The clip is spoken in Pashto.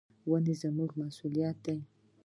ونې زموږ مسؤلیت دي.